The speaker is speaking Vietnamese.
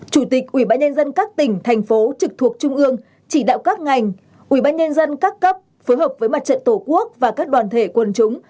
chủ tịch ubnd các tỉnh thành phố trực thuộc trung ương chỉ đạo các ngành ubnd các cấp phối hợp với mặt trận tổ quốc và các đoàn thể quân chúng